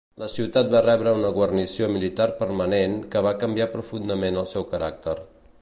La ciutat va rebre una guarnició militar permanent, que va canviar profundament el seu caràcter.